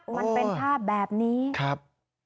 มันเป็นภาพแบบนี้ครับ